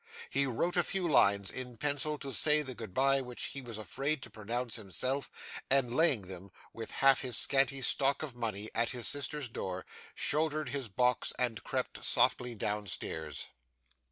He wrote a few lines in pencil, to say the goodbye which he was afraid to pronounce himself, and laying them, with half his scanty stock of money, at his sister's door, shouldered his box and crept softly downstairs.